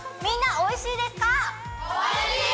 おいしいでーす！